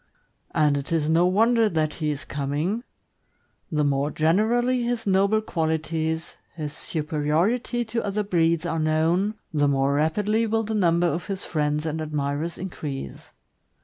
And it is no wonder that he is coming; the more generally his noble qualities, his superiority to other breeds, are known, the more rapidly will the number of his friends and admirers increase.